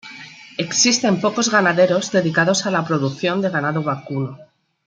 Existen pocos ganaderos dedicados a la producción de ganado vacuno.